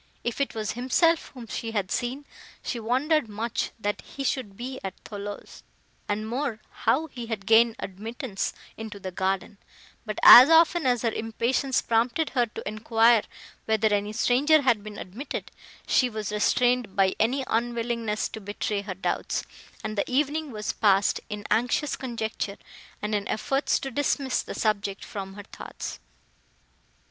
If it was himself whom she had seen, she wondered much, that he should be at Thoulouse, and more, how he had gained admittance into the garden; but as often as her impatience prompted her to enquire whether any stranger had been admitted, she was restrained by an unwillingness to betray her doubts; and the evening was passed in anxious conjecture, and in efforts to dismiss the subject from her thoughts.